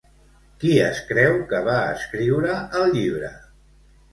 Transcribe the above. Qui es creu que va escriure el llibre?